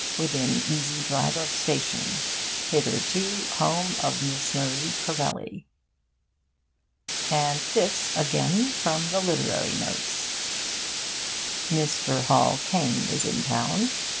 Within easy drive of station. Hitherto home of Miss Marie Corelli. And this, again from the Literary Notes: Mr. Hall Caine is in town.